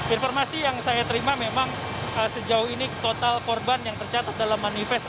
informasi yang saya terima memang sejauh ini total korban yang tercatat dalam manifest